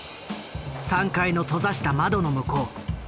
３階の閉ざした窓の向こう